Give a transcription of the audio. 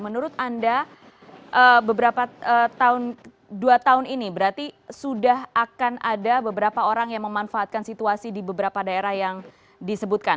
menurut anda beberapa tahun dua tahun ini berarti sudah akan ada beberapa orang yang memanfaatkan situasi di beberapa daerah yang disebutkan